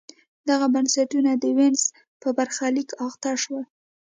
دغه بنسټونه د وینز په برخلیک اخته شول.